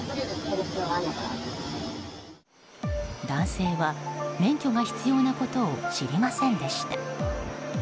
男性は免許が必要なことを知りませんでした。